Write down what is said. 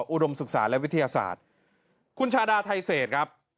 อุดมศึกษาและวิทยาศาสตร์คุณชาดาไทเศษครับ